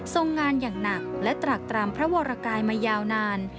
งานอย่างหนักและตรากตรำพระวรกายมายาวนาน